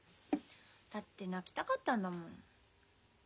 だって泣きたかったんだもん。